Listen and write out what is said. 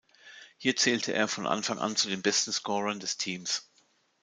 Hier zählte er von Anfang an zu den besten Scorern des Teams.